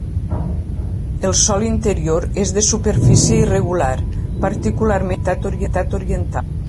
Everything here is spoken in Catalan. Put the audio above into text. El sòl interior és de superfície irregular, particularment en la meitat oriental.